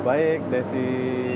berisik deh sih